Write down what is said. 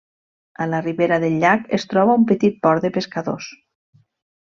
A la ribera del llac es troba un petit port de pescadors.